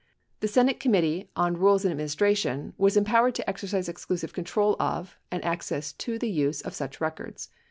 The Senate Committee on Rules and Administration was empowered to exercise exclusive control of and access to the use of such records.